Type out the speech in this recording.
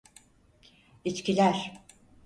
İçkiler.